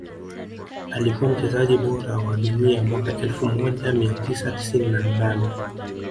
Alikuwa mchezaji bora wa dunia mwaka elfu moja mia tisa tisini na nane